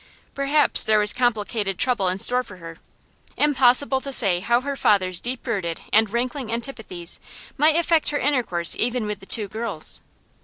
Perhaps there was complicated trouble in store for her; impossible to say how her father's deep rooted and rankling antipathies might affect her intercourse even with the two girls.